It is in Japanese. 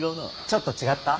ちょっと違った？